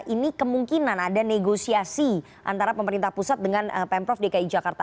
ini kemungkinan ada negosiasi antara pemerintah pusat dengan pemprov dki jakarta